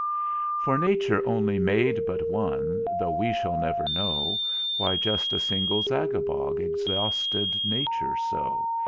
in. For Nature only made but one, though we shall never know Why just a single Zagabog exhausted Nature so.